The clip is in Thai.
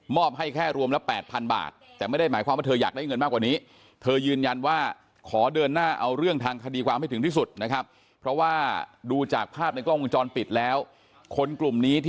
มอบให้แค่รวมละ๘๐๐๐บาท